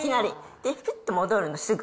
で、ぴっと戻るの、すぐ。